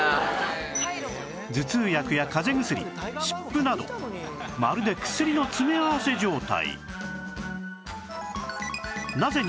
頭痛薬や風邪薬湿布などまるで薬の詰め合わせ状態